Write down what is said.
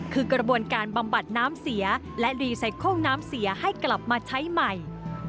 คือกระบวนการบำบัดน้ำเสียและรีไซเคิลน้ำเสียให้กลับมาใช้ใหม่